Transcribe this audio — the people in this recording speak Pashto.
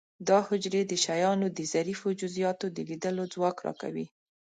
دا حجرې د شیانو د ظریفو جزئیاتو د لیدلو ځواک را کوي.